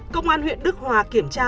công an huyện đức hòa kiểm tra